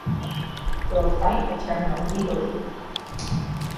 We'll fight the terminal legally.